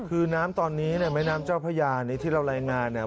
คือน้ำตอนนี้เนี่ยแม่น้ำเจ้าพระยานี้ที่เรารายงานเนี่ย